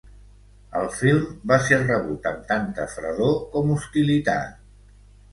El film va ser rebut amb tanta fredor com hostilitat.